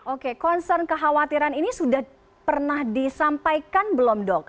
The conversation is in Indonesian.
oke concern kekhawatiran ini sudah pernah disampaikan belum dok